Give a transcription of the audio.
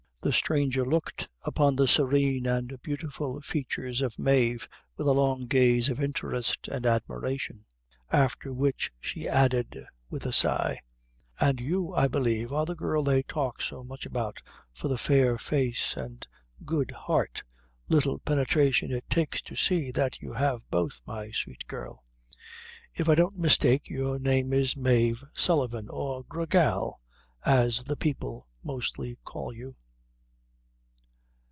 The stranger looked upon the serene and beautiful features of Mave with a long gaze of interest and admiration; after which she added, with a sigh: "And you, I believe, are the girl they talk so much about for the fair face and good heart? Little pinetration it takes to see that you have both, my sweet girl. If I don't mistake, your name is Mave Sullivan, or Gra Gal, as the people mostly call you."